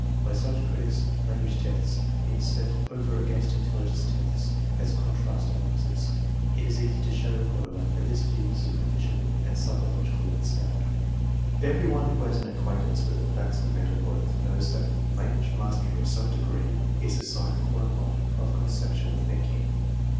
By such critics language tests have been set over against intelligence tests as contrasting opposites. It is easy to show, however, that this view is superficial and psychologically unsound. Every one who has an acquaint ance with the facts of mental growth knows that language mastery of some degree is the sine qua non of conceptual thinking.